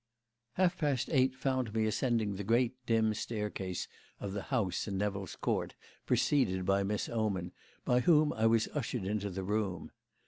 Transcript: Half past eight found me ascending the great, dim staircase of the house in Nevill's Court preceded by Miss Oman, by whom I was ushered into the room.